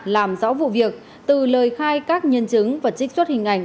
làm rõ vụ việc từ lời khai các nhân chứng và trích xuất hình ảnh